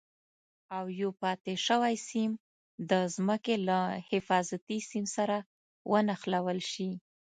او یو پاتې شوی سیم د ځمکې له حفاظتي سیم سره ونښلول شي.